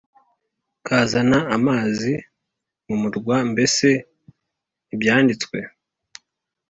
kuzana amazi mu murwa mbese ntibyanditswe